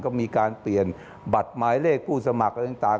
ก็มีการเปลี่ยนบัตรหมายเลขผู้สมัครอะไรต่าง